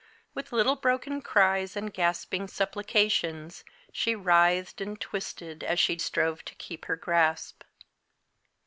With little broken cries and gasping supplications, she writhed and twisted as she strove to keep her grasp.